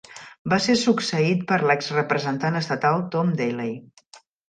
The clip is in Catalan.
Va ser succeït per l'exrepresentant estatal Tom DeLay.